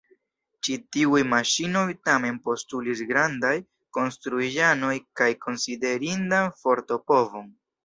Ĉi tiuj maŝinoj tamen postulis grandajn konstruaĵojn kaj konsiderindan forto-povon.